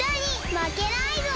まけないぞ！